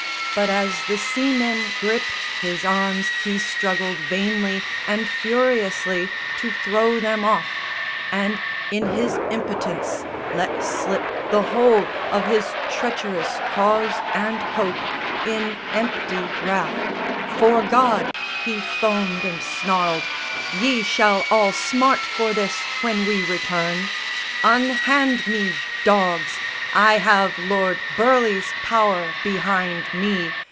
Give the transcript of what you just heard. But as the seamen gripped His arms he struggled vainly and furiously To throw them off; and in his impotence Let slip the whole of his treacherous cause and hope In empty wrath, "Fore God," he foamed and snarled, "Ye shall all smart for this when we return! Unhand me, dogs! I have Lord Burleigh's power Behind me.